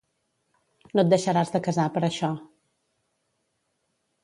No et deixaràs de casar per això.